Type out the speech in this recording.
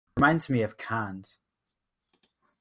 Reminds me of Cannes.